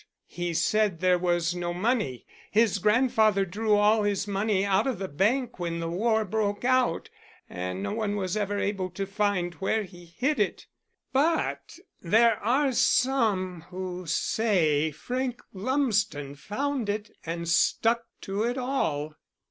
He said there was no money. His grandfather drew all his money out of the bank when the war broke out, and no one was ever able to find where he hid it. But there are some who say Frank Lumsden found it and stuck to it all."